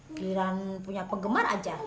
kiran punya penggemar aja